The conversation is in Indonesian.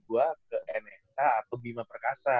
gue ke nsa atau bima perkasa